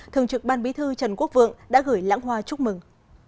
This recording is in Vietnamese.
thường trực ban bí thư trần quốc vượng đã gửi lãng hoa chúc mừng